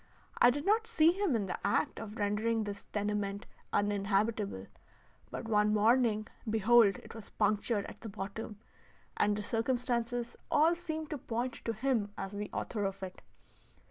I did not see him in the act of rendering this tenement uninhabitable; but one morning, behold it was punctured at the bottom, and the circumstances all seemed to point to him as the author of it.